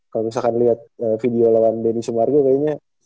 kalau misalkan lihat video lawan denny sumargo kayaknya